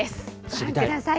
ご覧ください。